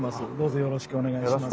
よろしくお願いします。